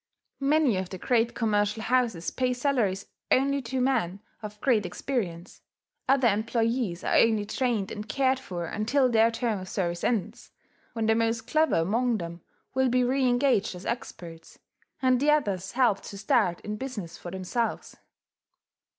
Many of the great commercial houses pay salaries only to men of great experience: other employes are only trained and cared for until their term of service ends, when the most clever among them will be reengaged as experts, and the others helped to start in business for themselves.